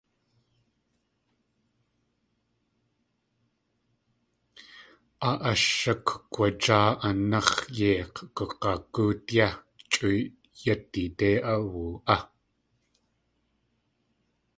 Áa ash shukaawajáa anax̲ yeik̲ gug̲agut yé; chʼu yeedát áwu á.